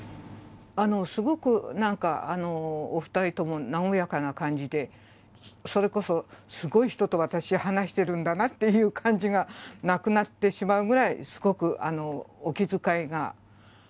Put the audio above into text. すごくなんか、お２人とも和やかな感じで、それこそすごい人と私、話してるんだなっていう感じがなくなってしまうぐらい、すごくお気遣いが。